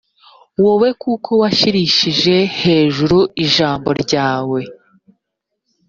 wawe kuko washyirishije hejuru ijambo ryawe